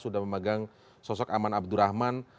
sudah memegang sosok aman abdurrahman